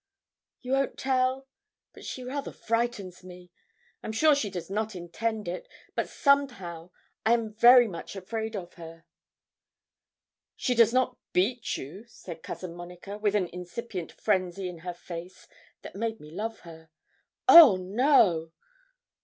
You won't tell? but she rather frightens me. I'm sure she does not intend it, but somehow I am very much afraid of her.' 'She does not beat you?' said Cousin Monica, with an incipient frenzy in her face that made me love her. 'Oh no!'